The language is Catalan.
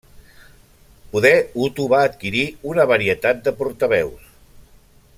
Poder Hutu va adquirir una varietat de portaveus.